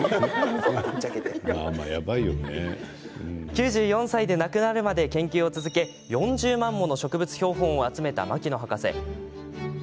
９４歳で亡くなるまで研究を続け４０万もの植物標本を集めた牧野博士。